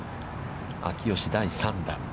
秋吉、第３打。